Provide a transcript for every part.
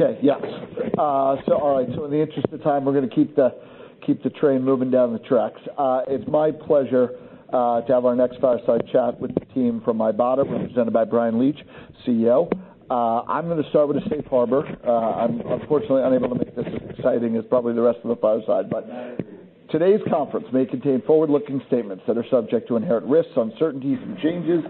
Okay, yes, so all right, so in the interest of time, we're gonna keep the train moving down the tracks. It's my pleasure to have our next fireside chat with the team from Ibotta, represented by Bryan Leach, CEO. I'm gonna start with a safe harbor. I'm unfortunately unable to make this as exciting as probably the rest of the fireside, but today's conference may contain forward-looking statements that are subject to inherent risks, uncertainties, and changes,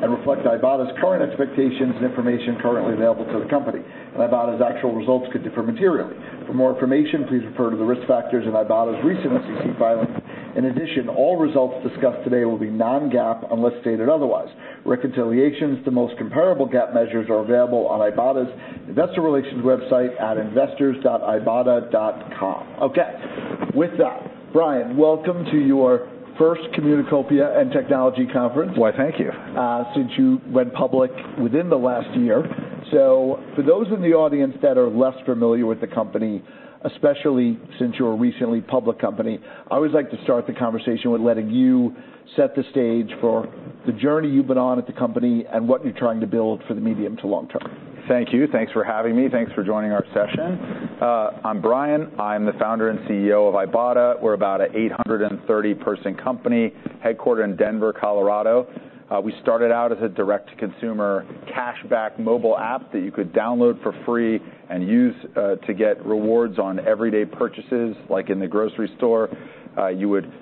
and reflect Ibotta's current expectations and information currently available to the company, and Ibotta's actual results could differ materially. For more information, please refer to the risk factors in Ibotta's recent SEC filing. In addition, all results discussed today will be Non-GAAP, unless stated otherwise. Reconciliations to the most comparable GAAP measures are available on Ibotta's investor relations website at investors.ibotta.com. Okay, with that, Bryan, welcome to your first Communicopia and Technology Conference. Why, thank you. Since you went public within the last year. So for those in the audience that are less familiar with the company, especially since you're a recently public company, I always like to start the conversation with letting you set the stage for the journey you've been on at the company, and what you're trying to build for the medium to long term. Thank you. Thanks for having me. Thanks for joining our session. I'm Brian. I'm the founder and CEO of Ibotta. We're about an 830-person company, headquartered in Denver, Colorado. We started out as a direct-to-consumer cashback mobile app that you could download for free and use to get rewards on everyday purchases, like in the grocery store. You would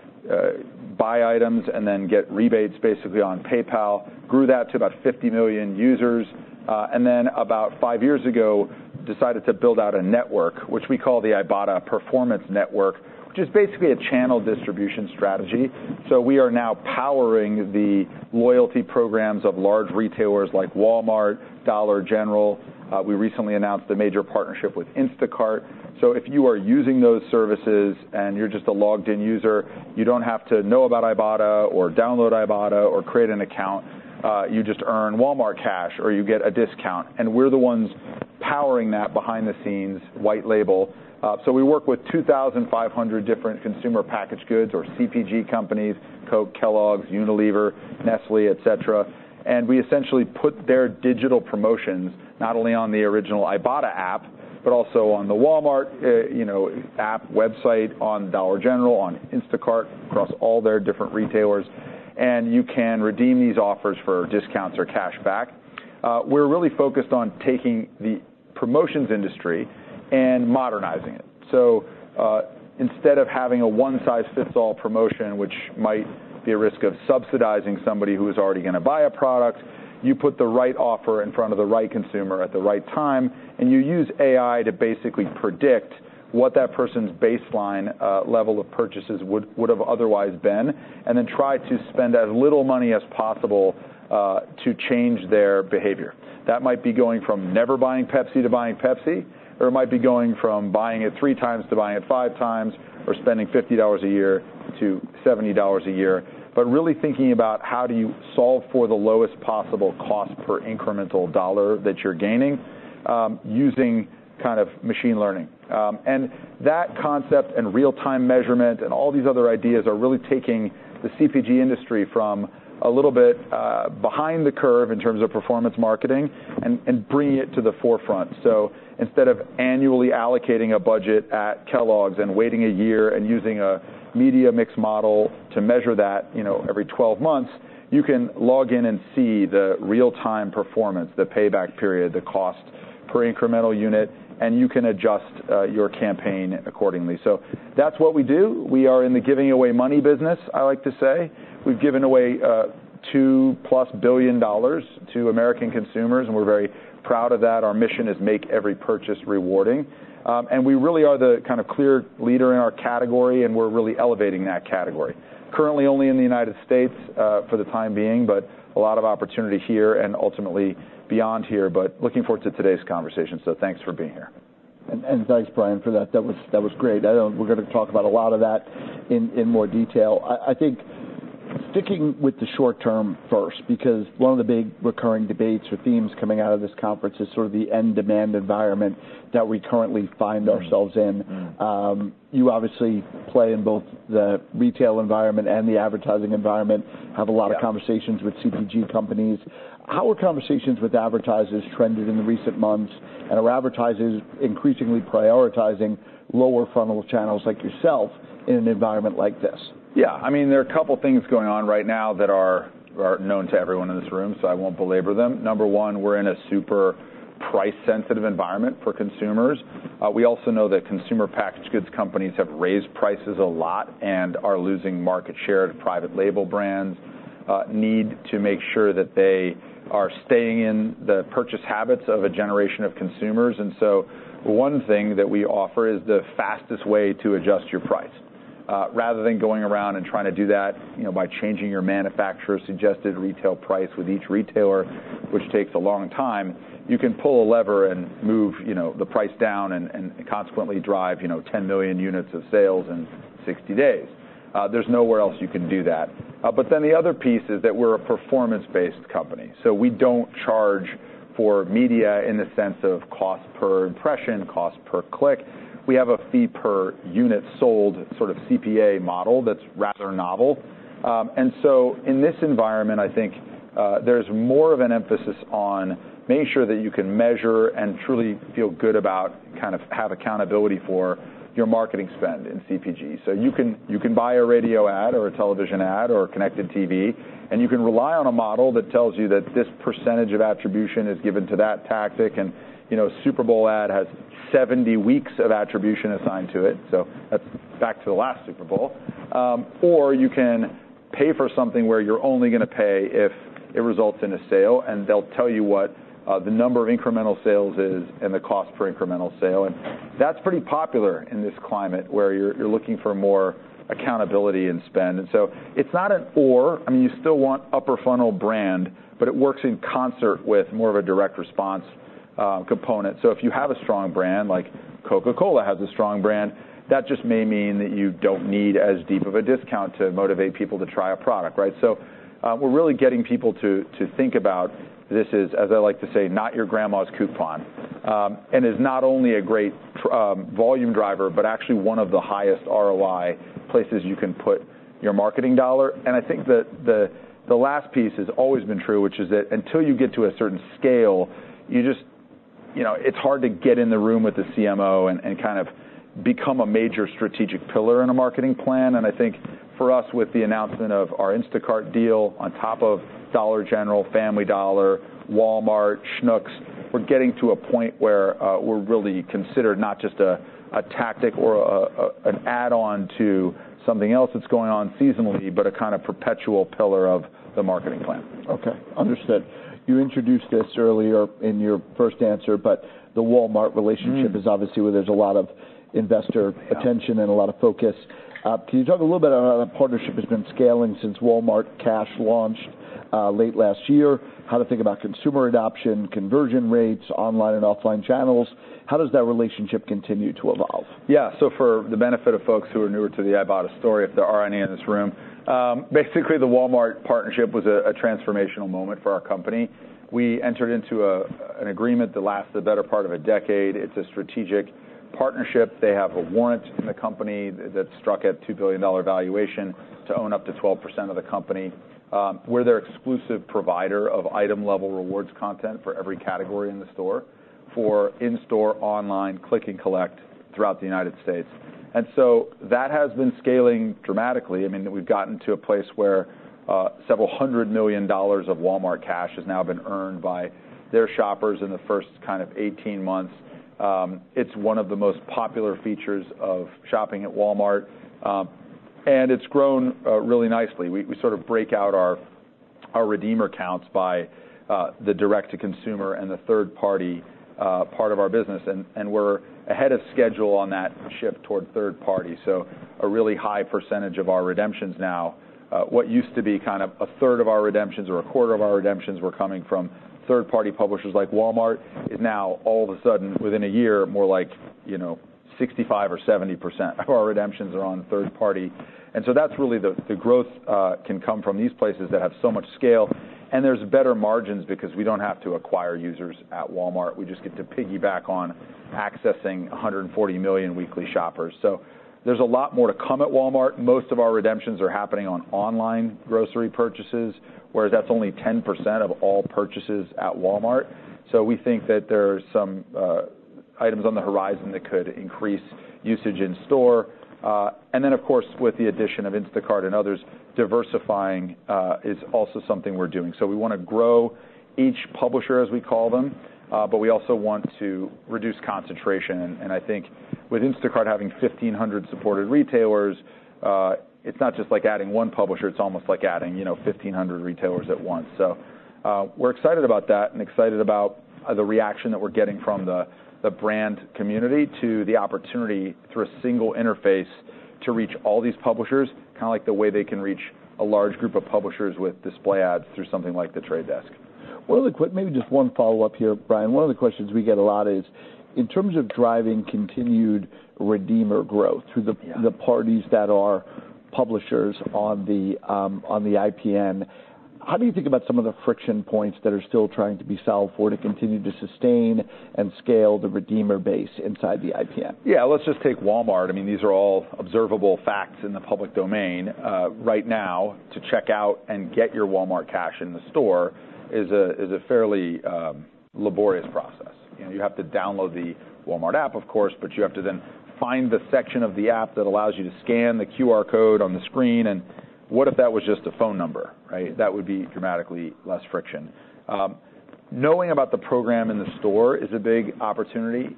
buy items, and then get rebates, basically, on PayPal. Grew that to about 50 million users, and then about five years ago, decided to build out a network, which we call the Ibotta Performance Network, which is basically a channel distribution strategy. So we are now powering the loyalty programs of large retailers like Walmart, Dollar General. We recently announced a major partnership with Instacart. So if you are using those services, and you're just a logged-in user, you don't have to know about Ibotta, or download Ibotta, or create an account. You just earn Walmart Cash, or you get a discount, and we're the ones powering that behind the scenes, white label. So we work with 2,500 different consumer packaged goods, or CPG, companies, Coke, Kellogg, Unilever, Nestlé, et cetera, and we essentially put their digital promotions, not only on the original Ibotta app, but also on the Walmart, you know, app, website, on Dollar General, on Instacart, across all their different retailers, and you can redeem these offers for discounts or cashback. We're really focused on taking the promotions industry and modernizing it. Instead of having a one-size-fits-all promotion, which might be a risk of subsidizing somebody who is already gonna buy a product, you put the right offer in front of the right consumer at the right time, and you use AI to basically predict what that person's baseline level of purchases would've otherwise been, and then try to spend as little money as possible to change their behavior. That might be going from never buying Pepsi to buying Pepsi, or it might be going from buying it three times to buying it five times, or spending $50 a year to $70 a year, but really thinking about how do you solve for the lowest possible cost per incremental dollar that you're gaining, using kind of machine learning? And that concept, and real-time measurement, and all these other ideas are really taking the CPG industry from a little bit behind the curve, in terms of performance marketing, and bringing it to the forefront. So instead of annually allocating a budget at Kellogg's, and waiting a year, and using a media mix model to measure that, you know, every 12 months, you can log in and see the real-time performance, the payback period, the cost per incremental unit, and you can adjust your campaign accordingly. So that's what we do. We are in the giving away money business, I like to say. We've given away $2+ billion to American consumers, and we're very proud of that. Our mission is: Make every purchase rewarding. And we really are the kind of clear leader in our category, and we're really elevating that category. Currently only in the U.S., for the time being, but a lot of opportunity here and ultimately beyond here, but looking forward to today's conversation, so thanks for being here. Thanks, Brian, for that. That was great. I know we're gonna talk about a lot of that in more detail. I think, sticking with the short term first, because one of the big recurring debates or themes coming out of this conference is sort of the end demand environment that we currently find ourselves in. Mm, mm. You obviously play in both the retail environment and the advertising environment- Yeah. Have a lot of conversations with CPG companies. How are conversations with advertisers trended in the recent months, and are advertisers increasingly prioritizing lower funnel channels, like yourself, in an environment like this? Yeah, I mean, there are a couple things going on right now that are known to everyone in this room, so I won't belabor them. Number one, we're in a super price-sensitive environment for consumers. We also know that consumer packaged goods companies have raised prices a lot and are losing market share to private label brands, need to make sure that they are staying in the purchase habits of a generation of consumers. And so one thing that we offer is the fastest way to adjust your price. Rather than going around and trying to do that, you know, by changing your manufacturer's suggested retail price with each retailer, which takes a long time, you can pull a lever and move, you know, the price down, and consequently drive, you know, ten million units of sales in 60 days. There's nowhere else you can do that. But then the other piece is that we're a performance-based company, so we don't charge for media in the sense of cost per impression, cost per click. We have a fee per unit sold, sort of CPA model that's rather novel. And so in this environment, I think, there's more of an emphasis on making sure that you can measure and truly feel good about, kind of have accountability for your marketing spend in CPG. So you can, you can buy a radio ad or a television ad or a connected TV, and you can rely on a model that tells you that this percentage of attribution is given to that tactic, and, you know, a Super Bowl ad has seventy weeks of attribution assigned to it, so that's back to the last Super Bowl. Or you can pay for something where you're only gonna pay if it results in a sale, and they'll tell you what the number of incremental sales is and the cost per incremental sale, and that's pretty popular in this climate where you're looking for more accountability in spend. And so it's not an or. I mean, you still want upper funnel brand, but it works in concert with more of a direct response component. So if you have a strong brand, like Coca-Cola has a strong brand, that just may mean that you don't need as deep of a discount to motivate people to try a product, right? We're really getting people to think about this is, as I like to say, not your grandma's coupon. And is not only a great volume driver, but actually one of the highest ROI places you can put your marketing dollar. And I think that the last piece has always been true, which is that until you get to a certain scale, you just... You know, it's hard to get in the room with the CMO and kind of become a major strategic pillar in a marketing plan. And I think for us, with the announcement of our Instacart deal on top of Dollar General, Family Dollar, Walmart, Schnucks, we're getting to a point where, we're really considered not just a tactic or an add-on to something else that's going on seasonally, but a kind of perpetual pillar of the marketing plan. Okay, understood. You introduced this earlier in your first answer, but the Walmart relationship- Mm Is obviously where there's a lot of investor attention. Yeah -and a lot of focus. Can you talk a little bit about how that partnership has been scaling since Walmart Cash launched, late last year? How to think about consumer adoption, conversion rates, online and offline channels. How does that relationship continue to evolve? Yeah. So for the benefit of folks who are newer to the Ibotta story, if there are any in this room, basically, the Walmart partnership was a transformational moment for our company. We entered into an agreement that lasts the better part of a decade. It's a strategic partnership. They have a warrant in the company that struck at $2 billion valuation to own up to 12% of the company. We're their exclusive provider of item-level rewards content for every category in the store, for in-store, online, click and collect throughout the U.S.. And so that has been scaling dramatically. I mean, we've gotten to a place where several hundred million dollars of Walmart Cash has now been earned by their shoppers in the first kind of 18 months. It's one of the most popular features of shopping at Walmart, and it's grown really nicely. We sort of break out our redeemer counts by the direct-to-consumer and the third-party part of our business, and we're ahead of schedule on that shift toward third party. So a really high percentage of our redemptions now, what used to be kind of a third of our redemptions or a quarter of our redemptions were coming from third-party publishers like Walmart, is now all of a sudden, within a year, more like, you know, 65% or 70% of our redemptions are on third party. That's really the growth can come from these places that have so much scale, and there's better margins because we don't have to acquire users at Walmart. We just get to piggyback on accessing 140 million weekly shoppers, so there's a lot more to come at Walmart. Most of our redemptions are happening on online grocery purchases, whereas that's only 10% of all purchases at Walmart, so we think that there are some items on the horizon that could increase usage in store. And then, of course, with the addition of Instacart and others, diversifying is also something we're doing, so we wanna grow each publisher, as we call them, but we also want to reduce concentration, and I think with Instacart having 1,500 supported retailers, it's not just like adding one publisher, it's almost like adding, you know, 1,500 retailers at once. So, we're excited about that and excited about the reaction that we're getting from the brand community to the opportunity, through a single interface, to reach all these publishers, kind of like the way they can reach a large group of publishers with display ads through something like The Trade Desk. Maybe just one follow-up here, Brian. One of the questions we get a lot is, in terms of driving continued redeemer growth- Yeah Through the parties that are publishers on the IPN, how do you think about some of the friction points that are still trying to be solved for, to continue to sustain and scale the redeemer base inside the IPN? Yeah. Let's just take Walmart. I mean, these are all observable facts in the public domain. Right now, to check out and get your Walmart Cash in the store is a fairly laborious process. You know, you have to download the Walmart app, of course, but you have to then find the section of the app that allows you to scan the QR code on the screen, and what if that was just a phone number, right? That would be dramatically less friction. Knowing about the program in the store is a big opportunity.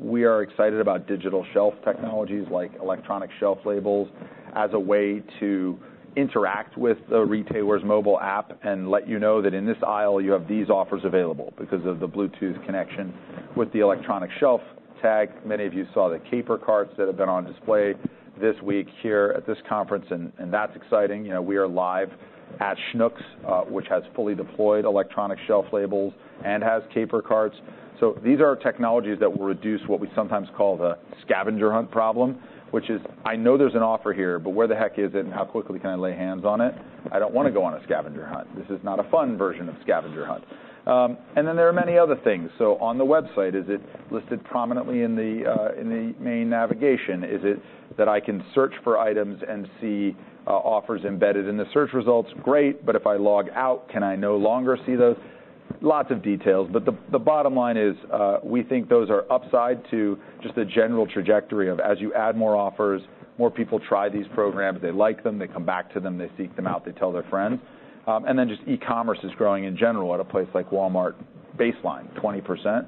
We are excited about digital shelf technologies, like electronic shelf labels, as a way to interact with the retailer's mobile app and let you know that in this aisle, you have these offers available because of the Bluetooth connection with the electronic shelf tag. Many of you saw the Caper Carts that have been on display this week here at this conference, and that's exciting. You know, we are live at Schnucks, which has fully deployed electronic shelf labels and has Caper Carts, so these are technologies that will reduce what we sometimes call the scavenger hunt problem, which is, I know there's an offer here, but where the heck is it, and how quickly can I lay hands on it? I don't want to go on a scavenger hunt. This is not a fun version of scavenger hunt... and then there are many other things, so on the website, is it listed prominently in the main navigation? Is it that I can search for items and see offers embedded in the search results? Great, but if I log out, can I no longer see those? Lots of details, but the bottom line is, we think those are upside to just the general trajectory of as you add more offers, more people try these programs, they like them, they come back to them, they seek them out, they tell their friends, and then just e-commerce is growing in general at a place like Walmart, baseline, 20%,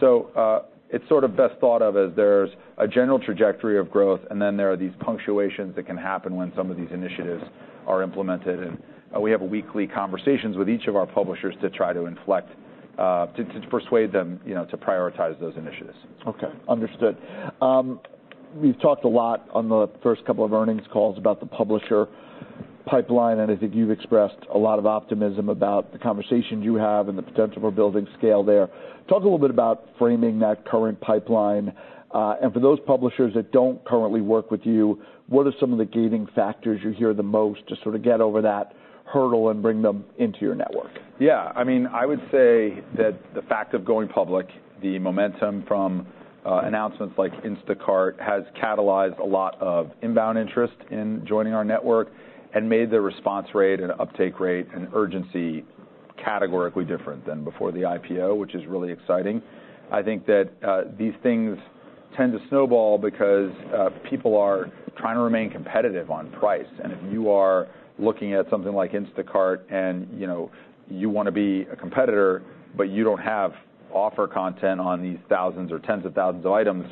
so it's sort of best thought of as there's a general trajectory of growth, and then there are these punctuations that can happen when some of these initiatives are implemented, and we have weekly conversations with each of our publishers to try to inflect, to persuade them, you know, to prioritize those initiatives. Okay, understood. We've talked a lot on the first couple of earnings calls about the publisher pipeline, and I think you've expressed a lot of optimism about the conversations you have and the potential for building scale there. Talk a little bit about framing that current pipeline, and for those publishers that don't currently work with you, what are some of the gating factors you hear the most to sort of get over that hurdle and bring them into your network? Yeah. I mean, I would say that the fact of going public, the momentum from, announcements like Instacart, has catalyzed a lot of inbound interest in joining our network and made the response rate and uptake rate and urgency categorically different than before the IPO, which is really exciting. I think that, these things tend to snowball because, people are trying to remain competitive on price, and if you are looking at something like Instacart and, you know, you want to be a competitor, but you don't have offer content on these thousands or tens of thousands of items,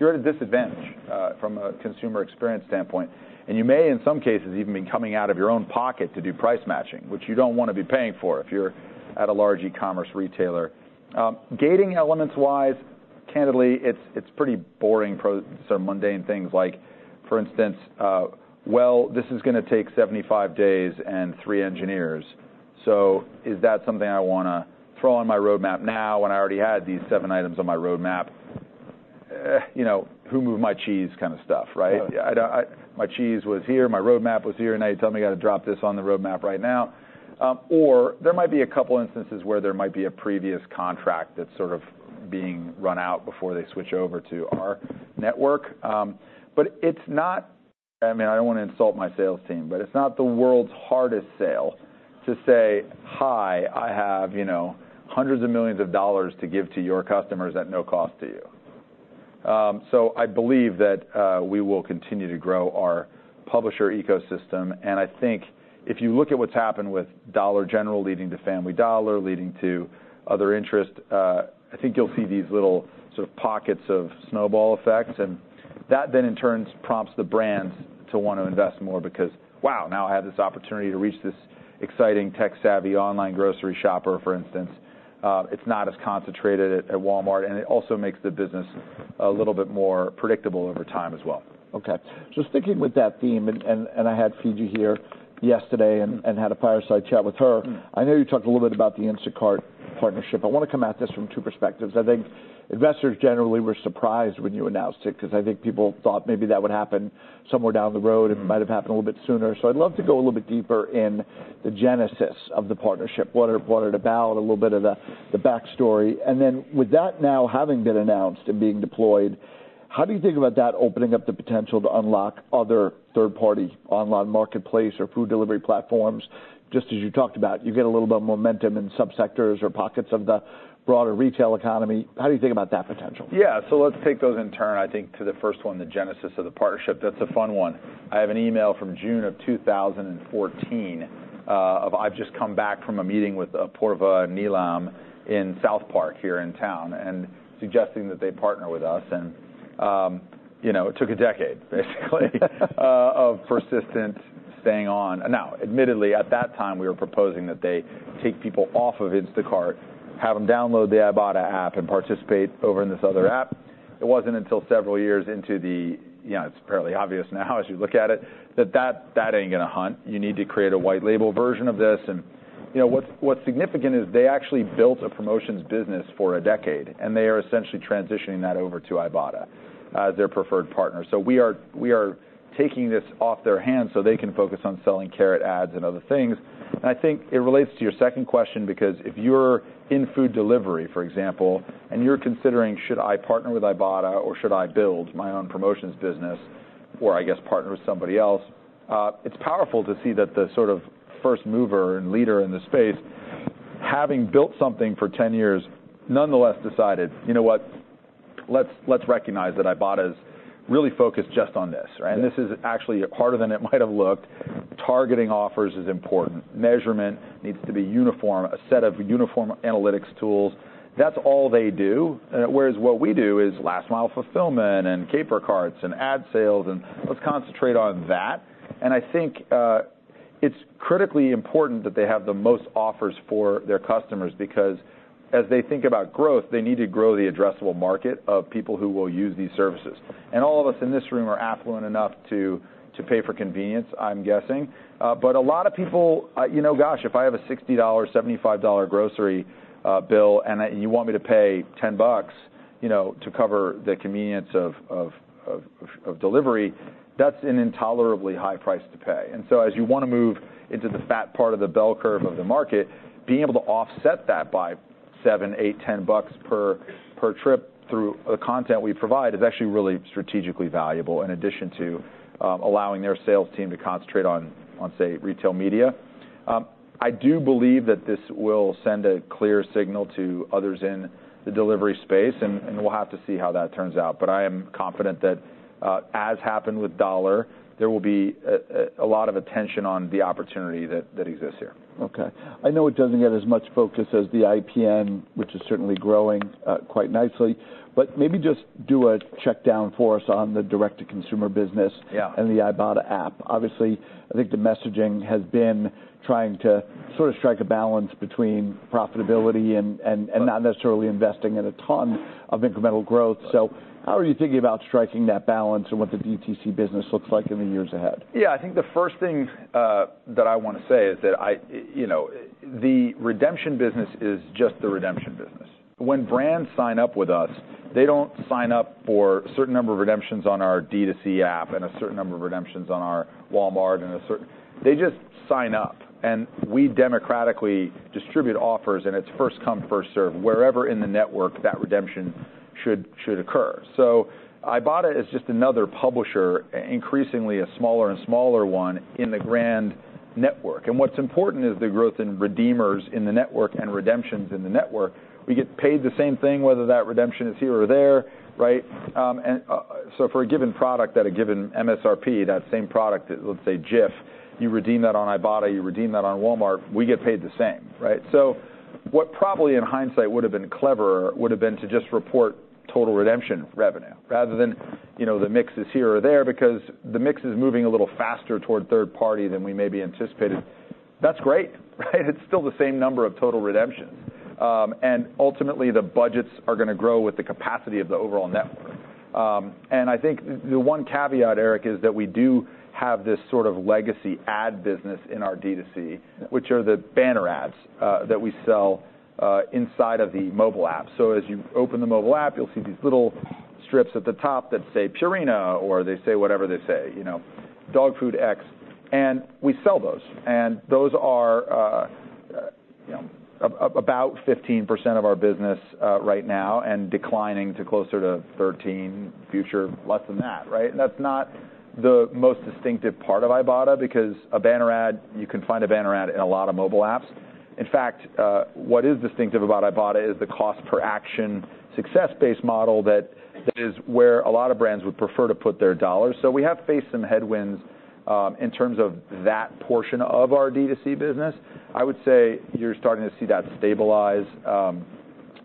you're at a disadvantage, from a consumer experience standpoint. And you may, in some cases, even be coming out of your own pocket to do price matching, which you don't want to be paying for if you're at a large e-commerce retailer. Gating elements-wise, candidly, it's pretty boring, some mundane things like, for instance, "Well, this is gonna take seventy-five days and three engineers, so is that something I wanna throw on my roadmap now when I already had these seven items on my roadmap?" You know, who moved my cheese kind of stuff, right? Yeah. My cheese was here, my roadmap was here, and now you're telling me I got to drop this on the roadmap right now. Or there might be a couple instances where there might be a previous contract that's sort of being run out before they switch over to our network. But it's not. I mean, I don't want to insult my sales team, but it's not the world's hardest sale to say, "Hi, I have, you know, hundreds of millions of dollars to give to your customers at no cost to you." So I believe that we will continue to grow our publisher ecosystem, and I think if you look at what's happened with Dollar General leading to Family Dollar, leading to other interest, I think you'll see these little sort of pockets of snowball effects. That then, in turn, prompts the brands to want to invest more because, wow, now I have this opportunity to reach this exciting, tech-savvy, online grocery shopper, for instance. It's not as concentrated at Walmart, and it also makes the business a little bit more predictable over time as well. Okay. Just sticking with that theme, and I had Fidji here yesterday and had a fireside chat with her. Mm. I know you talked a little bit about the Instacart partnership. I want to come at this from two perspectives. I think investors generally were surprised when you announced it, because I think people thought maybe that would happen somewhere down the road- Mm. And might have happened a little bit sooner. So I'd love to go a little bit deeper in the genesis of the partnership. What it about, a little bit of the backstory. And then with that now having been announced and being deployed, how do you think about that opening up the potential to unlock other third-party online marketplace or food delivery platforms? Just as you talked about, you get a little bit of momentum in subsectors or pockets of the broader retail economy. How do you think about that potential? Yeah, so let's take those in turn. I think to the first one, the genesis of the partnership, that's a fun one. I have an email from June of 2014, where I've just come back from a meeting with Apoorva and Nilam in South Park, here in town, and suggesting that they partner with us. And, you know, it took a decade, basically of persistent staying on. Now, admittedly, at that time, we were proposing that they take people off of Instacart, have them download the Ibotta app, and participate over in this other app. It wasn't until several years into the. You know, it's fairly obvious now as you look at it, that that, that ain't gonna hunt. You need to create a white label version of this. You know, what's significant is they actually built a promotions business for a decade, and they are essentially transitioning that over to Ibotta, their preferred partner. We are taking this off their hands so they can focus on selling Criteo ads and other things. I think it relates to your second question, because if you're in food delivery, for example, and you're considering, "Should I partner with Ibotta, or should I build my own promotions business, or I guess, partner with somebody else?" It's powerful to see that the sort of first mover and leader in the space, having built something for 10 years, nonetheless decided, "You know what? Let's recognize that Ibotta is really focused just on this," right? Yeah. This is actually harder than it might have looked. Targeting offers is important. Measurement needs to be uniform, a set of uniform analytics tools. That's all they do, whereas what we do is last mile fulfillment and Caper Carts and ad sales, and let's concentrate on that. I think it's critically important that they have the most offers for their customers, because as they think about growth, they need to grow the addressable market of people who will use these services. All of us in this room are affluent enough to pay for convenience, I'm guessing. But a lot of people, you know, gosh, if I have a $60-$75 grocery bill, and you want me to pay ten bucks, you know, to cover the convenience of delivery, that's an intolerably high price to pay. And so as you wanna move into the fat part of the bell curve of the market, being able to offset that by $7, $8, $10 per trip through the content we provide, is actually really strategically valuable, in addition to allowing their sales team to concentrate on, say, retail media. I do believe that this will send a clear signal to others in the delivery space, and we'll have to see how that turns out. But I am confident that, as happened with Dollar, there will be a lot of attention on the opportunity that exists here. Okay. I know it doesn't get as much focus as the IPN, which is certainly growing quite nicely, but maybe just do a check-down for us on the direct-to-consumer business- Yeah... and the Ibotta app. Obviously, I think the messaging has been trying to sort of strike a balance between profitability and not necessarily investing in a ton of incremental growth. Right. So how are you thinking about striking that balance and what the DTC business looks like in the years ahead? Yeah, I think the first thing that I wanna say is that I, you know, the redemption business is just the redemption business. When brands sign up with us, they don't sign up for a certain number of redemptions on our DTC app and a certain number of redemptions on our Walmart and a certain... They just sign up, and we democratically distribute offers, and it's first come, first served, wherever in the network that redemption should occur. So Ibotta is just another publisher, increasingly a smaller and smaller one, in the grand network, and what's important is the growth in redeemers in the network and redemptions in the network. We get paid the same thing, whether that redemption is here or there, right? So for a given product at a given MSRP, that same product, let's say Jif, you redeem that on Ibotta, you redeem that on Walmart, we get paid the same, right? So what probably, in hindsight, would've been cleverer would've been to just report total redemption revenue rather than, you know, the mixes here or there, because the mix is moving a little faster toward third party than we maybe anticipated. That's great, right? It's still the same number of total redemptions. Ultimately, the budgets are gonna grow with the capacity of the overall network. I think the one caveat, Eric, is that we do have this sort of legacy ad business in our D2C- Mm-hmm... which are the banner ads that we sell inside of the mobile app. So as you open the mobile app, you'll see these little strips at the top that say, Purina, or they say whatever they say, you know, Dog Food X, and we sell those. And those are about 15% of our business right now, and declining to closer to 13%, future, less than that, right? That's not the most distinctive part of Ibotta, because a banner ad, you can find a banner ad in a lot of mobile apps. In fact, what is distinctive about Ibotta is the cost per action success-based model that is where a lot of brands would prefer to put their dollars. So we have faced some headwinds in terms of that portion of our D2C business. I would say you're starting to see that stabilize, and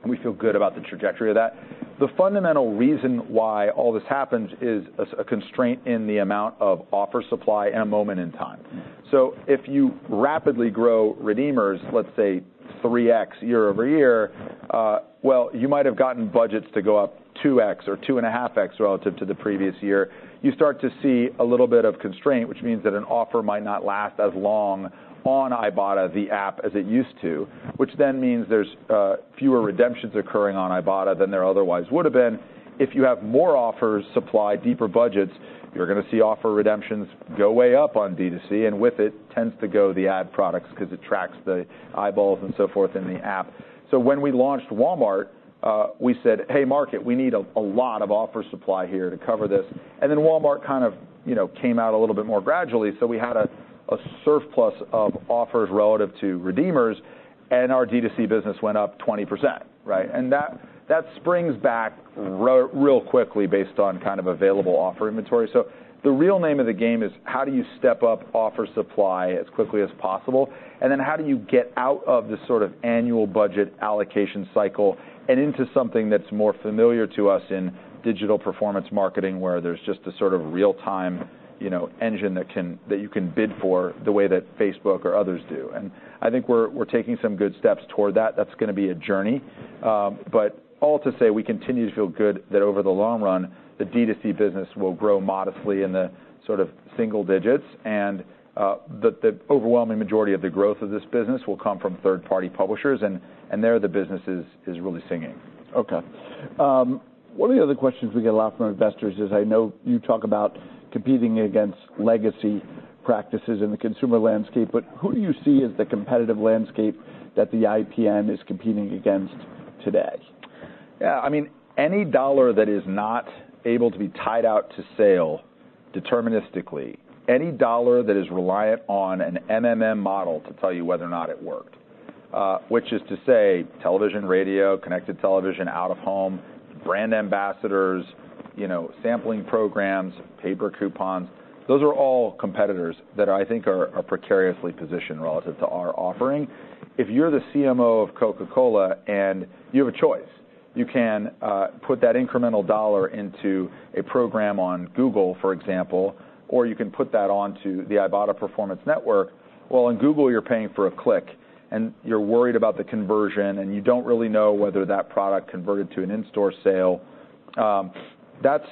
we feel good about the trajectory of that. The fundamental reason why all this happens is a constraint in the amount of offer supply at a moment in time. Mm-hmm. So if you rapidly grow redeemers, let's say 3X year over year, well, you might have gotten budgets to go up 2X or 2.5X relative to the previous year. You start to see a little bit of constraint, which means that an offer might not last as long on Ibotta, the app, as it used to, which then means there's fewer redemptions occurring on Ibotta than there otherwise would've been. If you have more offers, supply, deeper budgets, you're gonna see offer redemptions go way up on D2C, and with it, tends to go the ad products, 'cause it tracks the eyeballs and so forth in the app. So when we launched Walmart, we said, "Hey, market, we need a lot of offer supply here to cover this." And then Walmart kind of, you know, came out a little bit more gradually, so we had a surplus of offers relative to redeemers, and our D2C business went up 20%, right? And that springs back real quickly, based on kind of available offer inventory. So the real name of the game is, how do you step up offer supply as quickly as possible? And then how do you get out of this sort of annual budget allocation cycle and into something that's more familiar to us in digital performance marketing, where there's just a sort of real-time, you know, engine that you can bid for, the way that Facebook or others do? I think we're taking some good steps toward that. That's gonna be a journey, but all to say, we continue to feel good that over the long run, the D2C business will grow modestly in the sort of single digits, and the overwhelming majority of the growth of this business will come from third-party publishers, and there, the business is really singing. Okay. One of the other questions we get a lot from investors is, I know you talk about competing against legacy practices in the consumer landscape, but who do you see as the competitive landscape that the IPN is competing against today? Yeah, I mean, any dollar that is not able to be tied out to sale deterministically, any dollar that is reliant on an MMM model to tell you whether or not it worked, which is to say, television, radio, connected television, out of home, brand ambassadors, you know, sampling programs, paper coupons, those are all competitors that I think are, are precariously positioned relative to our offering. If you're the CMO of Coca-Cola and you have a choice, you can put that incremental dollar into a program on Google, for example, or you can put that onto the Ibotta Performance Network, well, in Google, you're paying for a click, and you're worried about the conversion, and you don't really know whether that product converted to an in-store sale.... that's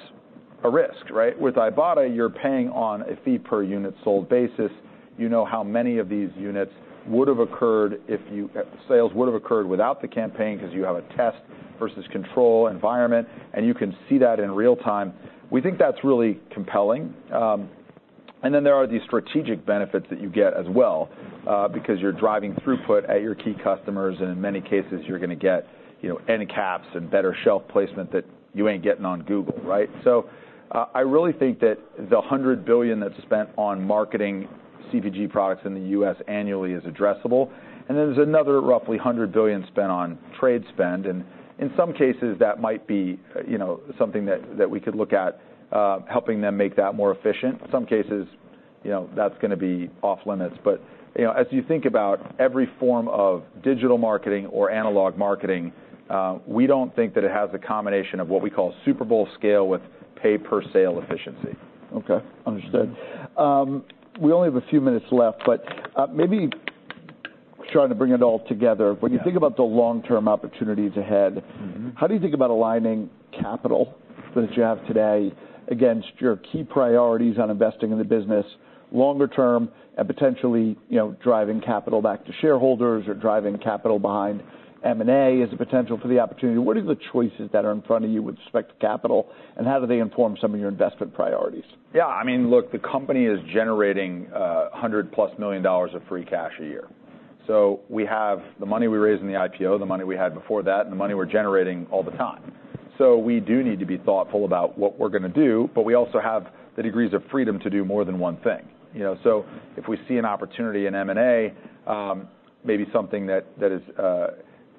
a risk, right? With Ibotta, you're paying on a fee per unit sold basis. You know how many of these units would have occurred without the campaign, because you have a test versus control environment, and you can see that in real time. We think that's really compelling, and then there are these strategic benefits that you get as well, because you're driving throughput at your key customers, and in many cases, you're going to get, you know, end caps and better shelf placement that you ain't getting on Google, right? So, I really think that the $100 billion that's spent on marketing CPG products in the U.S. annually is addressable, and there's another roughly $100 billion spent on trade spend. And in some cases, that might be, you know, something that we could look at helping them make that more efficient. In some cases, you know, that's going to be off limits. But, you know, as you think about every form of digital marketing or analog marketing, we don't think that it has the combination of what we call Super Bowl scale with pay per sale efficiency. Okay, understood. We only have a few minutes left, but maybe trying to bring it all together. Yeah. When you think about the long-term opportunities ahead- Mm-hmm. How do you think about aligning capital that you have today against your key priorities on investing in the business longer term and potentially, you know, driving capital back to shareholders or driving capital behind M&A as a potential for the opportunity? What are the choices that are in front of you with respect to capital, and how do they inform some of your investment priorities? Yeah, I mean, look, the company is generating $100-plus million dollars of free cash a year. So we have the money we raised in the IPO, the money we had before that, and the money we're generating all the time. So we do need to be thoughtful about what we're going to do, but we also have the degrees of freedom to do more than one thing, you know? So if we see an opportunity in M&A, maybe something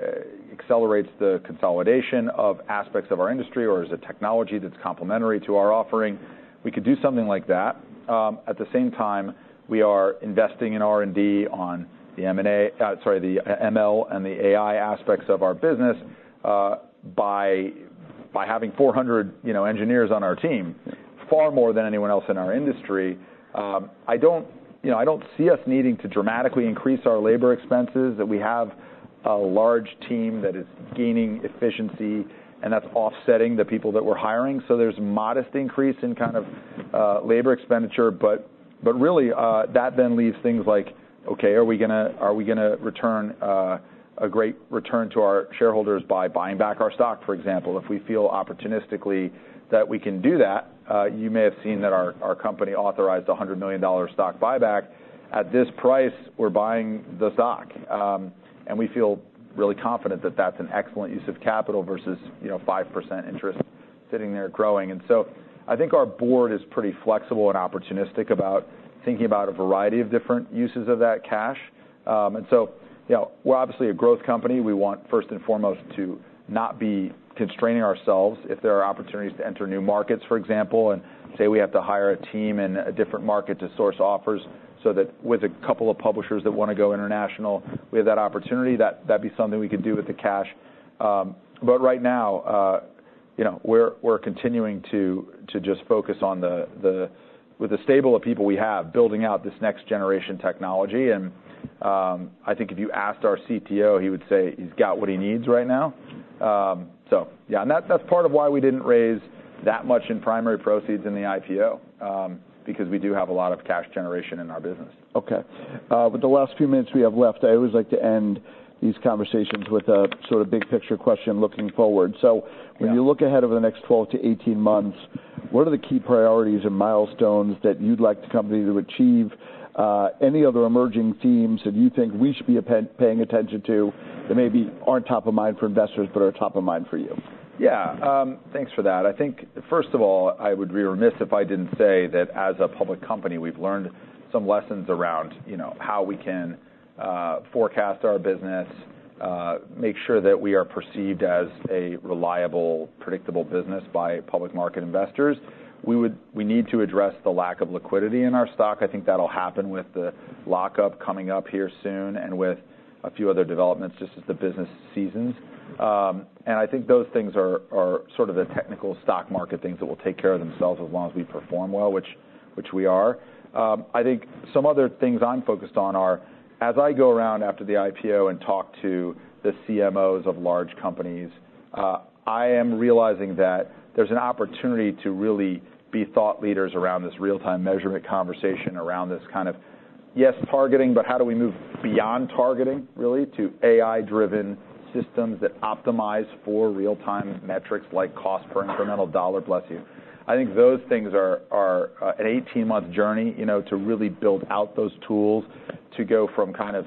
that accelerates the consolidation of aspects of our industry or is a technology that's complementary to our offering, we could do something like that. At the same time, we are investing in R&D on the M&A, sorry, the ML and the AI aspects of our business, by having 400, you know, engineers on our team, far more than anyone else in our industry. I don't, you know, I don't see us needing to dramatically increase our labor expenses, that we have a large team that is gaining efficiency, and that's offsetting the people that we're hiring. So there's modest increase in kind of, labor expenditure, but really, that then leaves things like, okay, are we gonna return a great return to our shareholders by buying back our stock, for example? If we feel opportunistically that we can do that, you may have seen that our company authorized a $100 million stock buyback. At this price, we're buying the stock, and we feel really confident that that's an excellent use of capital versus, you know, 5% interest sitting there growing. So I think our board is pretty flexible and opportunistic about thinking about a variety of different uses of that cash. You know, we're obviously a growth company. We want, first and foremost, to not be constraining ourselves if there are opportunities to enter new markets, for example, and say, we have to hire a team in a different market to source offers, so that with a couple of publishers that want to go international, we have that opportunity, that'd be something we could do with the cash. But right now, you know, we're continuing to just focus on the... With the stable of people we have, building out this next generation technology, and I think if you asked our CTO, he would say he's got what he needs right now. So yeah, and that's part of why we didn't raise that much in primary proceeds in the IPO, because we do have a lot of cash generation in our business. Okay. With the last few minutes we have left, I always like to end these conversations with a sort of big-picture question looking forward. Yeah. So when you look ahead over the next 12 to 18 months, what are the key priorities and milestones that you'd like the company to achieve? Any other emerging themes that you think we should be paying attention to, that maybe aren't top of mind for investors, but are top of mind for you? Yeah, thanks for that. I think, first of all, I would be remiss if I didn't say that as a public company, we've learned some lessons around, you know, how we can forecast our business, make sure that we are perceived as a reliable, predictable business by public market investors. We need to address the lack of liquidity in our stock. I think that'll happen with the lockup coming up here soon and with a few other developments, just as the business seasons. And I think those things are sort of the technical stock market things that will take care of themselves as long as we perform well, which we are. I think some other things I'm focused on are, as I go around after the IPO and talk to the CMOs of large companies, I am realizing that there's an opportunity to really be thought leaders around this real-time measurement conversation, around this kind of, yes, targeting, but how do we move beyond targeting, really, to AI-driven systems that optimize for real-time metrics like cost per incremental dollar? Bless you. I think those things are an eighteen-month journey, you know, to really build out those tools, to go from kind of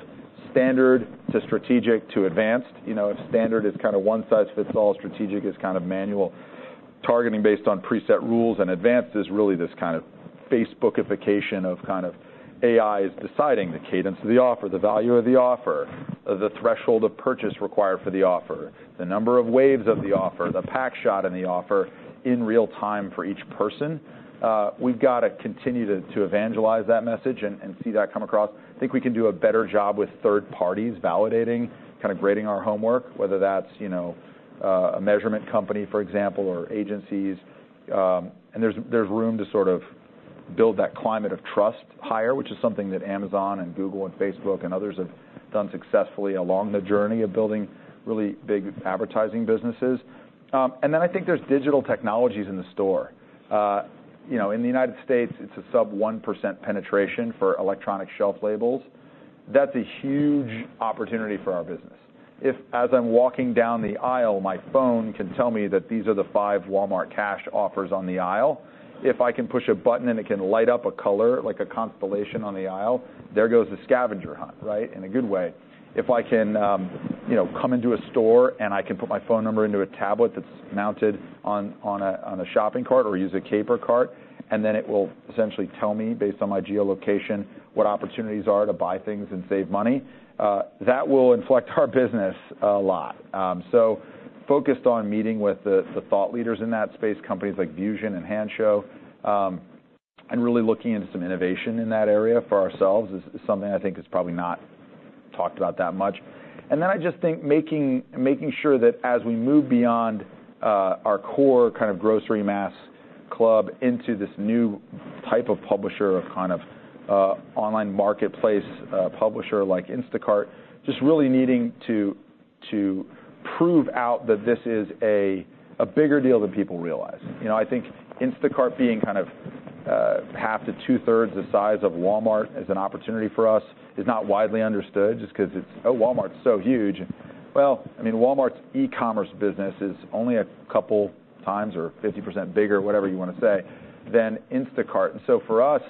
standard to strategic to advanced. You know, if standard is kind of one size fits all, strategic is kind of manual, targeting based on preset rules, and advanced is really this kind of Facebookification of kind of AI is deciding the cadence of the offer, the value of the offer, the threshold of purchase required for the offer, the number of waves of the offer, the pack shot in the offer, in real time for each person. We've got to continue to evangelize that message and see that come across. I think we can do a better job with third parties validating kind of grading our homework, whether that's you know a measurement company for example or agencies, and there's room to sort of-... build that climate of trust higher, which is something that Amazon and Google and Facebook and others have done successfully along the journey of building really big advertising businesses. And then I think there's digital technologies in the store. You know, in the U.S., it's a sub-1% penetration for electronic shelf labels. That's a huge opportunity for our business. If, as I'm walking down the aisle, my phone can tell me that these are the five Walmart Cash offers on the aisle, if I can push a button, and it can light up a color like a constellation on the aisle, there goes the scavenger hunt, right? In a good way. If I can, you know, come into a store, and I can put my phone number into a tablet that's mounted on a shopping cart or use a Caper cart, and then it will essentially tell me, based on my geolocation, what opportunities are to buy things and save money, that will inflect our business a lot. So focused on meeting with the thought leaders in that space, companies like Vusion and Hanshow, and really looking into some innovation in that area for ourselves is something I think is probably not talked about that much. And then I just think making sure that as we move beyond our core kind of grocery mass club into this new type of publisher or kind of online marketplace publisher like Instacart, just really needing to prove out that this is a bigger deal than people realize. You know, I think Instacart being kind of half to two-thirds the size of Walmart as an opportunity for us is not widely understood, just because it's, oh, Walmart's so huge. Well, I mean, Walmart's e-commerce business is only a couple times or 50% bigger, whatever you want to say, than Instacart. And so for us,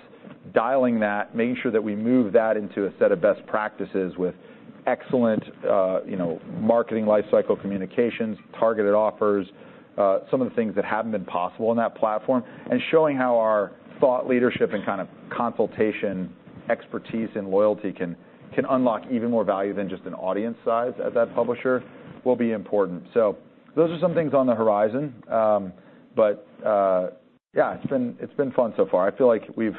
dialing that, making sure that we move that into a set of best practices with excellent, you know, marketing life cycle communications, targeted offers, some of the things that haven't been possible on that platform, and showing how our thought leadership and kind of consultation, expertise, and loyalty can unlock even more value than just an audience size at that publisher will be important. So those are some things on the horizon. But, yeah, it's been fun so far. I feel like we've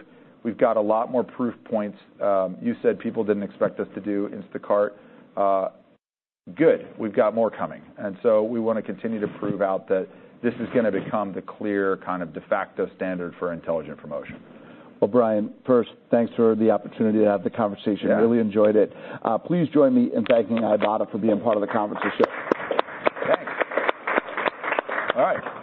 got a lot more proof points. You said people didn't expect us to do Instacart. Good. We've got more coming, and so we want to continue to prove out that this is going to become the clear, kind of de facto standard for intelligent promotion. Brian, first, thanks for the opportunity to have the conversation. Yeah. I really enjoyed it. Please join me in thanking Ibotta for being part of the conference this year. Thanks. All right.